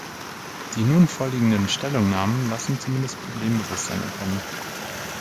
Die nun vorliegenden Stellungnahmen lassen zumindest Problembewusstsein erkennen.